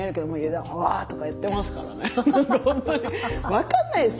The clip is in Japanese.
分かんないです